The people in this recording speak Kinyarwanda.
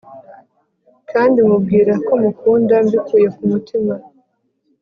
kandi mubwira ko mukunda mbikuye ku mutima